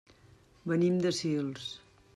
Venim de Sils.